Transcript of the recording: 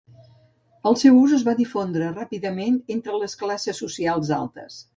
El seu ús es va difondre ràpidament entre les classes socials altes.